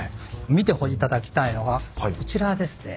見て頂きたいのがこちらですね。